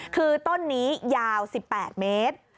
คือต้นนี้ยาว๑๘เมตร